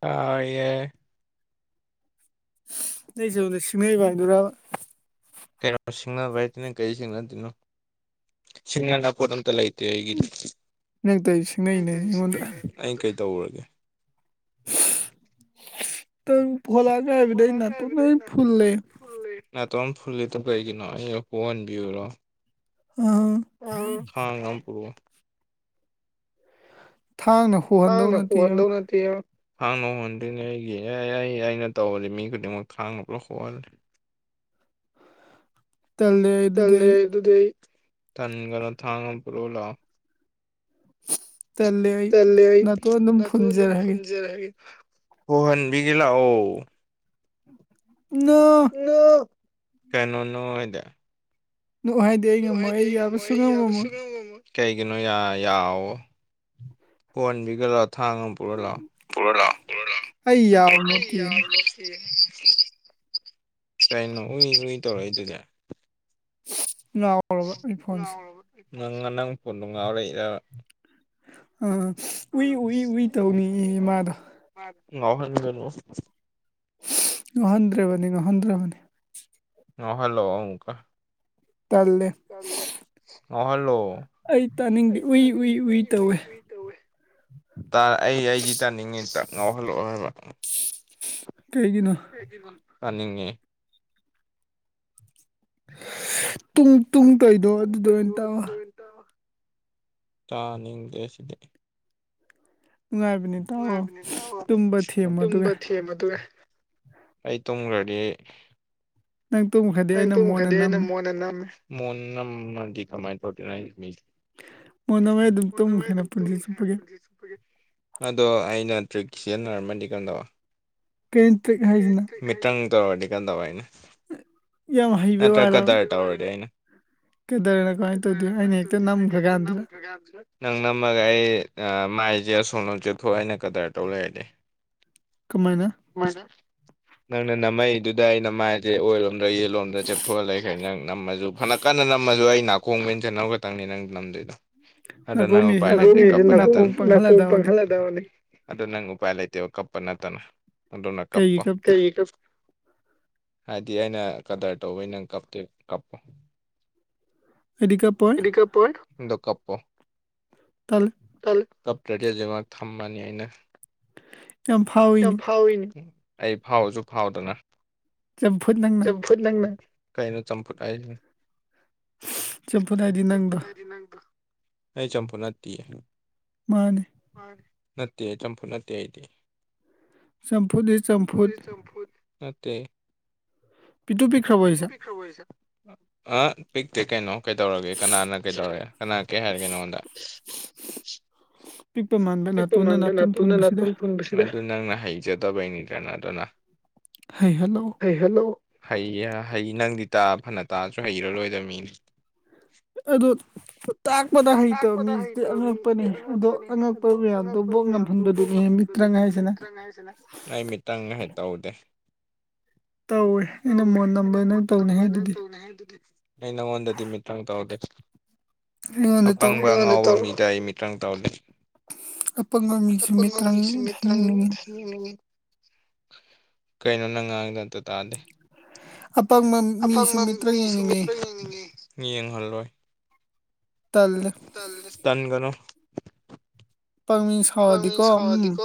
ꯑ ꯑꯦꯦ ꯑꯩꯁꯨꯁꯤꯉꯥꯏꯗꯨꯔꯥ ꯀꯌꯥꯝ ꯁꯤꯡꯅꯕ ꯍꯥꯏꯇꯅꯣ ꯀꯔꯤ ꯁꯤꯡꯅꯗꯣꯏꯅꯣ ꯁꯤꯡꯅꯥꯒꯥꯄꯣꯠ ꯑꯝꯇ ꯂꯩꯇꯦ ꯑꯩꯒꯤꯗꯤ ꯅꯪ ꯇꯁꯤꯡꯉꯩꯅꯦꯉꯣꯟꯗ ꯇꯧꯔꯒꯦ ꯇ ꯐꯣꯂꯒꯦꯕꯗ ꯅꯇꯨꯅ ꯐꯨꯔꯂꯦ ꯇꯝ ꯐꯨꯂꯤꯗ ꯀꯩꯒꯤꯅꯣ ꯑ ꯌꯄꯟꯕꯤꯌꯨꯔꯣ ꯍ ꯔꯄ ꯊꯥꯡꯅ ꯀꯣꯛꯍꯟꯗꯧ ꯅꯠꯇꯦ ꯈꯥꯡꯅ ꯍꯣꯟꯗꯣꯏꯅꯦ ꯑꯩꯒꯤꯅꯦ ꯑꯩ ꯑꯩꯅ ꯇꯧꯕꯗꯤ ꯃꯤ ꯈꯨꯗꯤꯡꯃꯛ ꯈꯥꯡꯅꯕ ꯍꯣꯠꯜꯂꯤ ꯜꯂꯦ ꯑꯗꯨꯗꯤ ꯑꯩ ꯊꯟꯒꯅꯣ ꯊꯥꯡꯉ ꯄꯨꯔꯣ ꯂꯥꯛꯑꯣ ꯇꯂ ꯑꯩ ꯅ ꯑꯗꯨꯝ ꯐꯖꯔꯒꯦ ꯍꯍꯟꯕꯤꯒꯦ ꯂꯥꯛꯑꯣ [inaudible] ꯀꯩꯅꯣ ꯅ ꯑꯣꯏꯗ ꯉꯥꯏꯗ ꯉꯃꯣ ꯑꯩꯕꯁꯨ ꯉ ꯑꯃ ꯀꯩꯒꯤꯅꯣ ꯌꯥꯎ ꯍꯣꯟꯣꯟꯕꯤꯒ꯭ꯔ ꯄꯨꯔꯂꯥ ꯑꯩ ꯌꯥꯔ ꯅꯠꯇ ꯀꯩꯅꯣ ꯎꯨꯏ ꯂꯨꯏ ꯇꯧꯔ ꯑꯩꯗꯨꯗ ꯂꯅꯨꯡꯔꯕ ꯑꯩꯅꯤ ꯐꯣꯟꯁꯦ ꯅꯪ ꯅꯪ ꯐꯣꯟꯗꯨꯣ ꯉꯥꯎꯔꯛꯏꯗꯕ ꯑꯥ ꯎꯏ ꯎꯏ ꯎꯏ ꯇꯧꯅꯤ ꯏ ꯏꯃꯥꯗꯣ ꯉꯥꯎ ꯍꯥꯏ ꯑꯗꯨꯅꯣ ꯉꯥꯡꯍꯟꯗ꯭ꯔꯕꯅꯤ ꯉꯥꯡꯍꯟꯗ꯭ꯔꯕꯅꯤ ꯑ ꯍꯜꯂꯣ ꯑꯣꯪꯀ ꯑ ꯍꯜꯂꯣ ꯑꯩ ꯇꯥꯅꯤꯡꯗꯦ ꯎꯏ ꯎꯏ ꯎꯏ ꯇꯧꯋꯦ ꯑꯩ ꯑꯩꯗꯤ ꯇꯥꯅꯤꯡꯉꯤ ꯉꯥꯎꯍꯜꯂꯛꯑꯣ ꯍꯥꯏꯕ ꯀꯩꯒꯤꯅꯣ ꯀꯅꯤꯡꯉꯦ ꯇꯨꯡ ꯇꯨꯡ ꯇꯣꯏꯗꯣ ꯑꯗꯨꯗ ꯑꯣꯏꯅ ꯇꯥꯑꯣ ꯇꯥꯅꯤꯡꯗꯁꯤꯗ ꯇ ꯊꯦ ꯃꯗꯨꯦ ꯑꯩ ꯇꯨꯝꯈ꯭ꯔꯗꯤ ꯅꯪ ꯇꯨꯝꯃ ꯈꯗꯤ ꯑꯩꯅ ꯃꯣꯟꯅ ꯅꯝꯃꯦ ꯃꯟꯅꯗꯤ ꯀꯃꯥꯏꯟ ꯊꯣꯔꯇꯤꯟ ꯃꯅ ꯑꯗꯨ ꯍꯥꯏꯄꯒꯦ ꯑꯗꯣ ꯑꯩꯅ ꯇ꯭ꯔꯤꯞ ꯁꯤꯖꯤꯟꯅꯔꯝꯃꯗꯤ ꯀꯩꯅꯝꯗꯧꯕ ꯃꯤꯇꯪ ꯇ ꯋꯥꯔꯤ ꯀꯗꯕ ꯍꯥꯏꯅ ꯅꯠꯇ꯭ꯔ ꯀꯗꯥꯔ ꯇꯔꯗꯤ ꯍꯥꯏꯅ ꯀꯩꯗꯧꯦꯅ ꯀꯃꯥꯏꯅ ꯇꯧꯗꯦꯣ ꯑꯩꯅ ꯍꯦꯛꯇ ꯅꯝꯈ꯭ꯔꯀꯥꯟꯗꯨꯗ ꯅꯪ ꯅꯝꯃꯒ ꯑꯩ ꯃꯥꯏꯁꯦ ꯑꯁꯣꯂꯣ ꯆꯦꯊꯣꯛꯑꯦꯅ ꯀꯗꯔ ꯇꯧ ꯂꯩꯔꯗꯤ ꯅꯪꯅ ꯅꯝꯃꯩꯗꯨꯗ ꯑꯩ ꯅꯃꯥꯏꯁꯦ ꯑꯣꯏꯔꯣ ꯂꯣꯝꯗ ꯆꯠꯊꯑ ꯂꯩꯈ ꯅꯪ ꯅꯝꯃꯁꯨ ꯐꯅ ꯀꯟꯅ ꯅꯝꯃꯁꯨ ꯑꯩ ꯀꯣꯡꯕꯟ ꯆꯅꯕꯧ ꯈꯛꯇꯪꯅꯤ ꯅꯪ ꯂꯝꯗꯣꯏꯗꯣ [unintelligible] ꯑꯗ ꯅꯪ ꯎ ꯄꯥꯏ ꯂꯩ ꯂꯩꯇꯦꯕ ꯀꯞꯄ ꯅꯠꯇꯅ ꯑꯗꯨꯅ ꯀꯄ ꯍꯥꯏꯗꯤ ꯑꯩꯅ ꯀꯗꯔ ꯇꯧꯕꯩ ꯅꯪ ꯀꯞꯇꯦ ꯀꯞꯄꯣ ꯀ ꯀꯄ ꯇꯗꯤꯖꯤꯃꯛ ꯊꯝꯃꯅꯤ ꯑꯩꯅ ꯌꯥꯝ ꯐꯥꯎꯋꯅꯦ ꯑꯩ ꯐꯥꯎꯁꯨ ꯐꯥꯎꯗꯅ ꯆ ꯀꯥꯏꯅ ꯆꯝꯐꯨꯠ ꯍꯥꯏ ꯆꯠꯄꯨꯗꯥꯏꯗꯤ ꯅꯪꯗꯣ ꯑꯩ ꯆꯄ ꯅꯠꯇ ꯅꯠꯇꯦ ꯆꯝꯐꯨꯠ ꯅꯠꯇꯦ ꯑꯩꯗꯤ ꯆꯝꯐꯨꯗꯤ ꯆꯝꯐꯨꯠ ꯅ ꯏ ꯄꯤꯛ꯭ꯔꯧꯕꯁ ꯑ ꯄꯤꯛꯇꯦ ꯀꯩꯅꯣ ꯀꯩꯗꯧꯔꯒꯦ ꯀꯅꯥꯅ ꯀꯩꯗꯧꯔꯒꯦ ꯀꯅꯥ ꯀꯩ ꯍꯥꯏꯔꯒꯦ ꯅꯉꯣꯟꯗ [unintelligible] ꯇꯛꯇꯣ ꯃꯥꯟꯗ ꯅꯅꯥꯨꯅ ꯅꯅꯥꯨꯅ ꯊꯨꯝ ꯁꯤꯗꯦ ꯑꯗꯨ ꯅꯪꯅ ꯍꯩꯖꯗꯕꯩꯅꯤꯗꯅ ꯑꯗꯨꯅ ꯍꯜꯂꯣ ꯍꯩ ꯍꯩ ꯅꯪꯗꯤ ꯇꯥ ꯐꯅ ꯇꯥꯔꯁꯨ ꯍꯩꯔꯔꯣꯏꯗꯕ ꯃꯤꯅꯤ ꯑꯗꯨ ꯇꯄ ꯍꯟꯗ ꯍꯩꯇꯕ ꯃꯤꯁꯤꯗꯤ ꯑꯉꯛꯄꯅꯦ ꯑꯗꯣ ꯑꯉꯛꯄ ꯃꯌꯥꯝꯗꯣ ꯕꯣꯛ ꯉꯝꯍꯟꯕꯗꯨꯅꯦ ꯃꯤꯠꯇ꯭ꯔ ꯉꯥꯏꯁꯤꯅ ꯅ ꯃꯤꯇꯪ ꯉꯥꯏꯍꯦ ꯇꯧꯗꯦ ꯇꯧꯋꯦ ꯑꯩꯅ ꯃꯣꯕꯥꯏꯜ ꯅꯝꯕꯔ ꯅꯪ ꯇꯧꯅꯦ ꯍꯥꯏ ꯑꯗꯨꯗꯤ ꯑꯩ ꯅꯪꯉꯣꯟꯗꯗꯤ ꯃꯤꯠꯇꯥꯡ ꯇꯧꯔꯒꯦ ꯑꯄꯪꯕ ꯑ ꯉꯥꯎꯕ ꯃꯤ ꯇꯥꯏ ꯃꯤꯇꯥꯡ ꯇꯥꯎꯗ ꯑꯄꯪꯕ ꯃꯤꯁꯨꯃꯤꯠ ꯇꯔꯥꯉꯉꯩꯗ ꯌꯦꯡꯅꯤꯡꯉꯤ ꯀꯩꯅꯣ ꯅꯪ ꯉꯥꯡꯗꯇ ꯇꯥꯗꯦ ꯑꯄꯥ ꯃꯤ ꯁꯨꯃꯤꯇ꯭ꯔ ꯌꯦꯅꯤꯡꯦ ꯌꯦꯡꯍꯜꯂꯣꯏ ꯇꯟꯒꯅꯨ ꯀꯃꯤ ꯁꯋꯥꯗꯤ ꯀ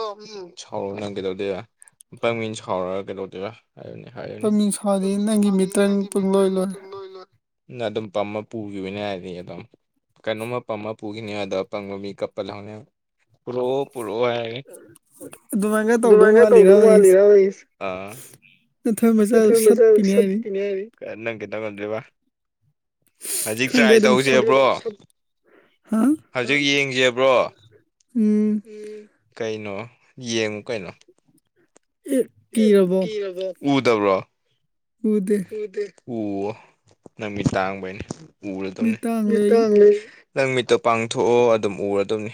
ꯁꯥꯎꯔꯣ ꯅꯪ ꯀꯩꯗꯧꯗꯦꯕ ꯄꯪ ꯃꯤꯅ ꯁꯥꯎꯔꯒ ꯀꯩꯗꯧꯗꯦꯕ ꯍꯥꯏꯌꯅꯤ ꯍꯥꯏꯌꯨꯅꯤ ꯅꯪꯒꯤ ꯃꯤꯇ꯭ꯔ ꯇꯨꯡ ꯂꯣꯏ ꯂꯣꯏ ꯑꯗꯨꯝ ꯄꯝꯃ ꯄꯨꯈꯤꯕꯅꯦ ꯍꯥꯏꯗꯤ ꯑꯗꯨꯝ ꯀꯩꯅꯣ ꯃꯥ ꯄꯥ ꯃꯥꯄꯈꯤꯅꯤ ꯑꯗ ꯄꯥꯡꯉ ꯀꯞꯄꯜ ꯍꯥꯅ ꯔꯣ ꯑꯗꯨꯃꯥꯏꯅ ꯇꯧꯗꯧ ꯃꯥꯜꯂꯤꯔ ꯖ ꯁꯠꯅꯤ ꯍꯥꯏꯔꯤ ꯅꯪ ꯈꯤꯇꯪ ꯉꯝꯗ꯭ꯔꯤꯕ ꯍꯧꯖꯤꯛ ꯇ꯭ꯔꯥꯏ ꯇꯧꯁꯕ꯭ꯔꯣ ꯍꯧꯖꯤꯛ ꯌꯦꯡꯁꯤ ꯌꯦꯕ꯭ꯔꯣ ꯎ ꯀꯩꯅꯣ ꯌꯦꯡꯉꯨ ꯀꯩꯅꯣ ꯎꯗꯕ꯭ꯔꯥ ꯎꯗ ꯎꯣ ꯅꯪꯒꯤ ꯇꯥꯡꯕꯩꯅꯤ ꯎꯔꯗꯧꯅꯤ ꯅꯪꯃꯤꯠꯇ ꯄꯥꯡꯊꯣꯛꯑꯣ ꯑꯗꯨꯝ ꯎꯔꯗꯕꯅꯤ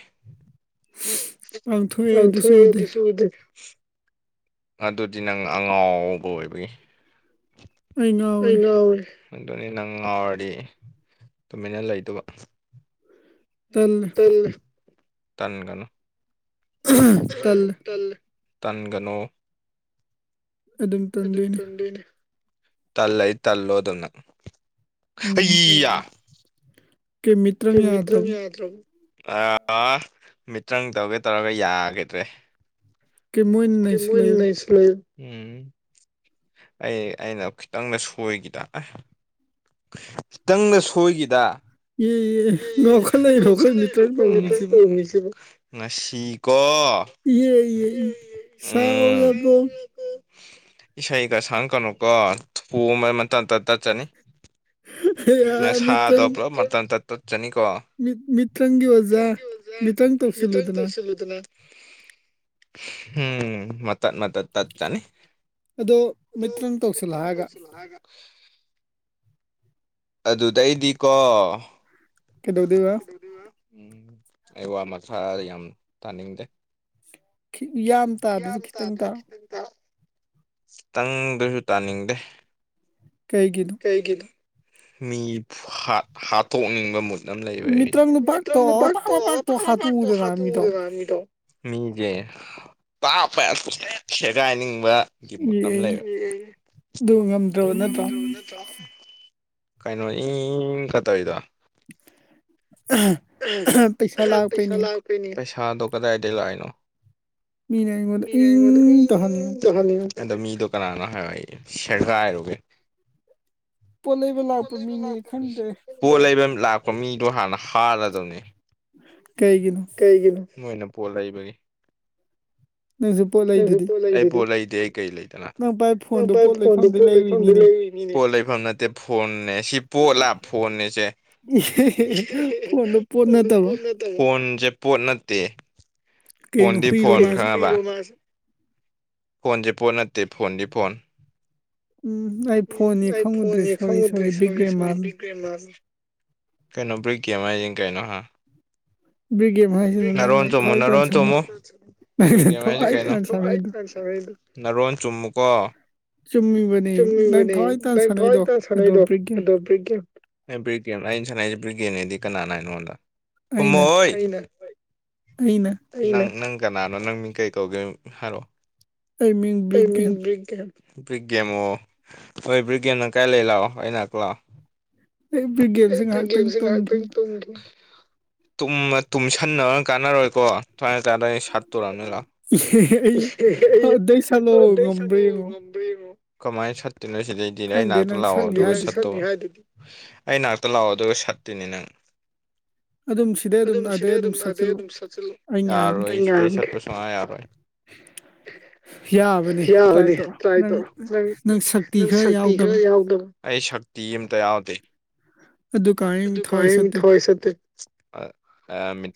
ꯑ ꯊ ꯑꯗꯨꯁꯨ ꯑꯗꯨꯗꯤ ꯅꯪ ꯑꯉꯥꯎꯕ ꯑꯣꯏꯕꯒꯤ ꯑꯩꯅ ꯑꯣꯏ ꯑꯗꯨꯅꯤ ꯅꯪ ꯉꯥꯎꯔꯗꯤ ꯇꯨꯃꯤꯟꯅ ꯂꯩꯗꯕ ꯇ ꯇꯟꯒꯅꯣ ꯇꯟꯒꯅꯨ ꯑꯗꯨꯝ ꯇꯟꯗꯦꯅꯦ ꯇꯜꯂꯩ ꯇꯜꯂꯣꯗꯨꯅ ꯎꯝ ꯀ ꯃꯤ꯭ꯔꯅꯤ ꯌꯥꯗꯔꯎ ꯑꯥ ꯃꯤꯇꯪ ꯇꯧꯒꯦ ꯇꯧꯔꯒ ꯌꯥꯈꯤꯗ꯭ꯔꯦ ꯀꯃꯣꯏꯟꯅ ꯁꯤꯣ ꯎꯝ ꯑꯩ ꯑꯩꯅ ꯈꯤꯇꯪꯗ ꯁꯣꯏꯈꯤꯗ ꯑꯦ ꯎ ꯏ ꯉ ꯈꯦ ꯍꯈꯣꯏ ꯃꯤꯇꯔꯔꯤꯕ ꯎꯃꯤꯁꯤꯕ ꯌꯦ ꯁꯥꯥꯎꯕꯣ ꯏꯁꯩꯒ ꯁꯥꯡ ꯀꯩꯅꯨꯀꯣ ꯊꯨꯐꯨ ꯑꯃ ꯑꯃꯇ ꯇꯠꯆꯅꯤ ꯅ ꯁꯥꯗꯣꯕ꯭ꯔꯣ ꯃꯔꯇꯅ ꯇ ꯖꯅꯤꯀꯣꯪꯒꯤ ꯑꯣꯖꯥ ꯃꯤꯇꯪ ꯇꯧꯁꯤꯜꯂꯨꯗꯅ ꯎꯝ ꯃ ꯃ ꯇ ꯆꯅꯤ ꯑꯗꯨ ꯃ ꯇꯧꯁꯤꯂ ꯑꯗꯨꯗꯩꯗꯤꯀꯣ ꯀꯗꯧꯗꯕ ꯎꯝ ꯑꯩ ꯋꯥ ꯃꯈꯥ ꯌꯥꯝ ꯇꯥꯅꯤꯡꯗꯦ ꯌꯥꯝ ꯇꯥꯕꯁꯨ ꯈꯤꯇꯪ ꯇꯥꯣ ꯇꯪꯗꯨꯁꯨ ꯇꯥꯅꯤꯡꯗꯦꯒꯤꯅꯣ ꯃꯤ ꯍꯥꯠꯇꯣꯛꯅꯤꯡꯕ ꯃꯨꯠ ꯂꯩ ꯄ ꯍꯥꯗꯅꯣ ꯃꯤꯖꯦ ꯇꯥ ꯄꯁ ꯁꯦꯒ ꯍꯥꯏꯅꯤꯡꯕꯒꯤ ꯃꯨꯠ ꯑꯃ ꯂꯩꯕ ꯀꯩꯅꯣ ꯏ ꯈ ꯇꯔꯤꯗ [inaudible] ꯄꯩꯁ ꯂꯥꯛꯑꯣ ꯄꯩꯁꯥꯗꯣ ꯀꯗꯥꯏꯗꯒꯤꯩ ꯂꯥꯛꯏꯅꯣ ꯃꯤ ꯍ ꯃꯤ ꯀꯅꯥꯅꯣ ꯍꯥꯏ ꯑꯩ ꯁꯦꯔꯒꯥꯏꯔꯒꯦ ꯄꯣꯠ ꯂꯩꯕ ꯂꯥꯛꯄ ꯃꯤ ꯑꯗꯨꯗꯨ ꯍꯥꯟꯅ ꯍꯥꯔꯗꯅꯤ ꯀꯩꯒꯤꯅꯣ ꯃꯣꯏꯅ ꯄꯣꯠ ꯂꯩꯕꯒꯤ ꯄꯣꯠ ꯂꯩ ꯂꯩꯅ ꯄꯣ ꯂꯩꯐꯝ ꯅꯠꯇꯦ ꯐꯣꯟꯅꯦ ꯁꯤ ꯐꯣ ꯂꯥ ꯐꯣꯟꯁꯦ ꯐ ꯁꯦ ꯄꯣꯠ ꯅꯠꯇꯦ ꯐꯣꯟꯗꯤ ꯐꯣꯟ ꯈꯪꯉꯕ ꯐꯣꯟꯁꯦ ꯐꯣꯟ ꯅꯠꯇꯦ ꯐꯣꯟꯗꯤ ꯐꯣꯟ ꯎꯝ ꯑꯩ ꯐꯣꯟ ꯈꯪꯉꯨꯗ꯭ꯔꯔꯤ ꯁꯣꯔꯤ ꯁꯣꯔꯤ ꯕꯤꯒꯒ꯭ꯔꯦꯃꯥꯜ ꯀꯩꯅꯣ ꯭ꯔꯤꯛꯀꯤꯃꯥꯏꯖꯤꯡ ꯀꯥꯏꯩꯅꯣꯍ ꯅꯔꯣꯟ ꯆꯣꯃꯣ ꯅꯔꯣꯟ ꯆꯣꯃꯣ ꯀ ꯀꯩꯅꯣ ꯅꯔꯣꯟ ꯆꯨꯝꯃꯨꯀꯣ ꯆꯨꯝꯃꯤꯕꯅꯦ ꯅꯪ ꯊꯋꯥꯏ ꯇ ꯁꯥꯟꯅꯗꯣ ꯑꯗꯣ ꯑꯩ ꯕ꯭ꯔꯤꯒꯦꯟ ꯑꯩꯅ ꯁꯥꯟꯅꯁꯦ ꯕ꯭ꯔꯤꯒꯦꯦꯟꯗꯤ ꯀꯅꯥꯅꯅꯉꯣꯟꯗ ꯈꯨꯝꯃꯣ ꯍꯣꯏ ꯑꯩꯅ ꯅꯪ ꯀꯅꯥꯅꯣ ꯅꯪ ꯃꯤꯡ ꯀꯩ ꯀꯧꯒꯦ ꯍꯥꯏꯔꯛꯑꯣꯡ ꯕ꯭ꯔꯤꯛꯒꯦꯝ ꯑꯣ ꯍꯣꯏ ꯕ꯭ꯔꯤꯛꯒꯦꯝꯅ ꯀꯥꯏ ꯂꯩ ꯂꯥꯛꯑꯣ ꯑ ꯉꯥꯛ ꯂꯥꯛꯑꯣ ꯑꯦ ꯦꯦꯝꯁꯤꯅ ꯍꯥ ꯀ ꯇ ꯇꯨꯝꯁꯟꯅꯕ ꯀꯥꯟꯅꯔꯣꯏꯀꯣ ꯇ ꯇꯗ ꯁꯥꯠꯇꯣꯔꯅꯤ ꯂꯥꯛ ꯗꯩꯁ ꯉꯝꯗꯉ ꯀꯃꯥꯏꯅ ꯁꯠꯇꯣꯏꯅꯣ ꯁꯤꯗꯩꯗꯤ ꯅ ꯅꯥꯛꯇ ꯂꯥꯛꯑꯣ ꯑꯗꯨ ꯁꯠꯇꯣ ꯑꯩ ꯉꯅꯥꯛꯇ ꯂꯥꯛꯑꯣ ꯑꯗꯨꯒ ꯁꯠꯇꯣꯏꯅꯦ ꯅꯪ ꯑꯗꯨꯝ ꯑꯗꯨꯝ ꯁꯤꯗꯤ ꯑꯗꯨꯝ ꯑꯗꯩ ꯑꯗꯨꯝ ꯆꯠꯆꯜꯂ ꯌꯥꯣꯏ ꯌꯥꯣꯏ [inaudible] ꯌꯥꯕꯅꯤ ꯇ꯭ꯔꯥꯏ ꯇꯧꯔꯣ ꯅꯪ ꯅꯪ ꯁꯛꯇꯤ ꯈꯔ ꯌꯥꯎꯗꯕ ꯇ ꯑꯗꯨꯗꯨꯀꯅꯤ ꯊꯏꯁꯠꯇ ꯥꯡ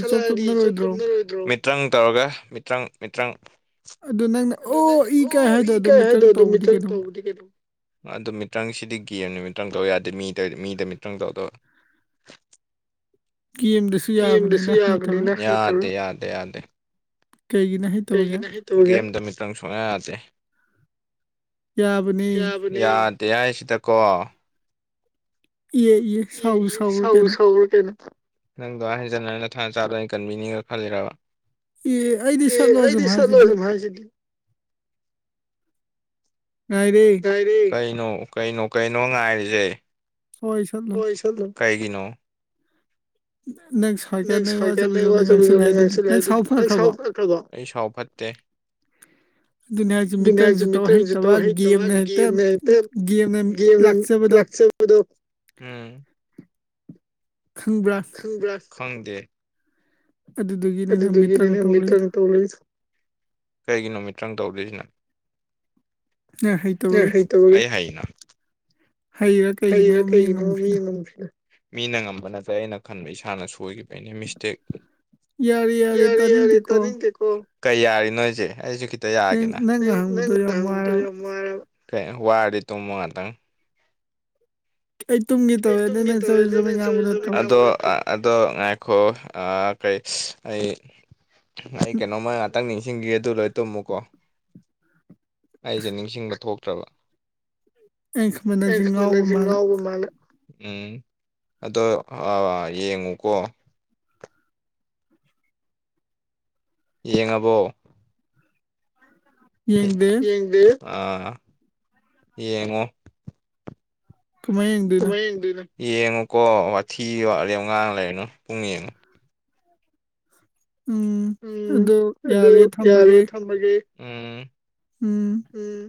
ꯇꯂꯑꯗꯤ ꯆꯣꯞ ꯆꯅꯔꯣꯏ꯭ꯔ ꯃꯤꯇ꯭ꯔꯪ ꯇꯧꯔꯒ ꯃꯤꯇ꯭ꯔꯪ ꯃꯤꯇ꯭ꯔꯪ ꯑꯗꯨ ꯅꯪ ꯑꯣ ꯏ ꯀꯩ ꯍꯥꯏꯗꯣ ꯑꯗꯨꯣ ꯃꯤꯇꯪ ꯇꯧꯕꯗꯤ ꯀꯩꯗꯧꯕ ꯑꯗꯨꯣ ꯃꯤꯇꯥꯡꯁꯤꯗꯤ ꯀꯔ ꯅꯨꯃꯤ ꯃꯤꯠꯇꯪ ꯇꯧ ꯌꯥꯗꯦ ꯃꯤꯗ ꯃꯤꯗ ꯃꯤꯠꯇ꯭ꯔꯪ ꯇꯧꯗꯣ ꯌꯦꯡꯗꯁꯨ ꯌꯥꯕꯅꯤꯅ ꯌꯥ ꯌꯥꯗꯦ ꯌꯥꯗꯦ ꯀꯩꯒꯤꯅ ꯍꯥꯏ ꯇ ꯈꯤꯇꯪ ꯁꯣꯛꯅ ꯌꯥꯗꯦ ꯌꯥꯗꯦ ꯍꯥꯏ ꯁꯤꯗ ꯀ ꯁꯥꯎ ꯁ ꯀꯩꯅꯣ ꯅꯪ ꯐꯖꯅꯅ ꯊꯥꯅ ꯆꯥꯗ ꯑꯣꯏꯅ ꯀꯟꯕꯤꯅꯤꯒ ꯈꯜꯂꯤꯔꯕ ꯑꯦ ꯑꯩꯗꯤ ꯁꯠꯂꯣ ꯑꯗꯨꯝ ꯍꯥꯏꯁꯤꯗꯤ ꯀꯥꯏꯅ ꯀꯩꯅꯣ ꯀꯥꯏꯅꯣ ꯉꯥꯏꯔꯖꯦ ꯍꯣꯏ ꯆꯠꯂ ꯀꯩꯒꯤꯅꯣ ꯅꯪ ꯁꯀ ꯅꯪ ꯋꯥ ꯆꯠꯂ ꯆꯠꯃꯤ ꯉꯥꯡꯁꯤꯜꯂꯦ ꯍꯥꯏ ꯑꯗꯨꯗꯤ ꯅꯪ ꯁꯥꯎꯕ ꯐꯈ꯭ꯔꯕꯣ [inaudible] ꯑꯗꯨꯅꯤ ꯍꯥꯏꯁꯨ ꯃꯤꯇ꯭ꯔꯪꯁꯨ ꯇꯧ ꯍꯩꯇꯕ ꯒꯦꯝꯅ ꯍꯦꯛꯇ ꯒꯦꯝꯅ ꯂꯥꯛꯆꯕꯗꯣ ꯗ ꯎꯝ ꯈꯪꯗꯦ ꯑꯗꯨꯒꯤꯅꯤꯅꯦ ꯅꯨꯃꯤꯠꯇꯪ ꯇꯧ ꯀꯩꯒꯤ ꯅꯨꯃꯤꯠꯇꯪ ꯇꯧꯁꯤꯅ ꯍ ꯍꯩꯔ ꯀꯩꯒꯤꯅꯣ ꯃꯤ ꯑꯃꯃꯨꯁꯤꯅ ꯃꯤꯅ ꯉꯝꯕ ꯅꯠꯇ꯭ꯔꯦ ꯑꯩꯅ ꯈꯟꯕ ꯏꯁꯥꯅ ꯁꯣꯏꯈꯤꯕꯒꯤꯅꯦ ꯃꯤꯁꯇꯦꯛ ꯌꯥꯔꯦ ꯌꯥꯔ ꯇꯥꯅꯤꯡꯗꯦꯀꯣ ꯀ ꯌꯥꯔꯤ ꯅꯣꯏꯁꯦ ꯑꯩꯁꯨ ꯌꯥꯒꯦꯅ ꯋꯥꯔꯗꯤ ꯇꯨꯝꯃꯣ ꯉꯥꯛꯇꯪ ꯇꯒꯤ ꯇ ꯆ ꯑꯗꯣ ꯉꯥꯏꯈꯣ ꯀꯩ ꯑꯩ ꯑꯩ ꯀꯩꯅꯣꯝꯃ ꯉꯥꯛꯇꯪꯅꯤ ꯅꯤꯡꯁꯤꯡꯒꯤ ꯑꯗꯨ ꯂꯣꯏ ꯇꯨꯝꯃꯨꯀꯣ ꯑꯩꯁꯦ ꯅꯤꯡꯁꯤꯡꯕ ꯊꯣꯛꯇ꯭ꯔꯕ ꯑꯦꯁ ꯃꯁꯤ ꯉꯕꯨ ꯃꯥ ꯎꯝ ꯑꯗꯣ ꯌꯦꯡꯉꯨꯀꯣ ꯌꯦꯡꯉꯕꯣ ꯌꯦ ꯑ ꯌꯦꯡꯉꯣ ꯀꯃꯥꯏ ꯌꯦꯡꯗꯅ ꯌꯦꯡꯉꯨꯀꯣ ꯋꯥꯊꯤ ꯑꯦꯝ ꯉꯥꯡ ꯂꯩꯔꯅꯨ ꯄꯨꯡ ꯌꯦꯡꯉꯨ ꯎꯝ ꯑꯗꯨ ꯌꯥꯔꯦ ꯊꯝꯃꯒꯦ ꯎꯝ ꯎꯝ